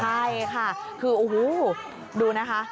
ใช่ค่ะคือโอ้โหดูนะคะ